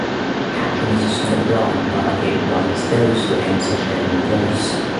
Happiness is not blind, but it blinds those who enter her embrace.